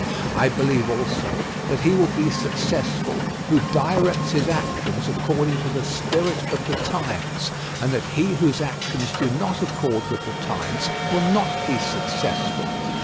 I believe also that he will be successful who directs his actions according to the spirit of the times, and that he whose actions do not accord with the times will not be successful.